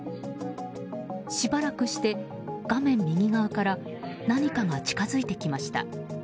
しばらくして、画面右側から何かが近づいてきました。